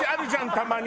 たまに。